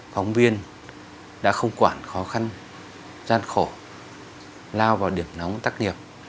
phóng viên đã không quản khó khăn gian khổ lao vào điểm nóng tắc nghiệp